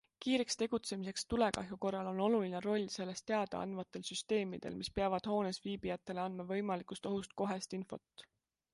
Kiireks tegutsemiseks tulekahju korral on oluline roll sellest teada andvatel süsteemidel, mis peavad hoones viibijatele andma võimalikust ohust kohest infot.